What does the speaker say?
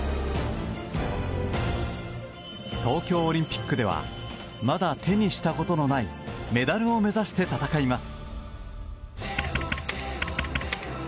東京オリンピックではまだ手にしたことのないメダルを目指して戦います。